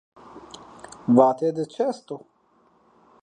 Vate de çi est o?